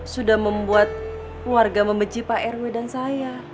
sudah membuat warga membenci pak rw dan saya